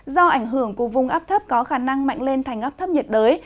do ảnh hưởng của vùng áp thấp có khả năng mạnh lên thành áp thấp nhiệt đới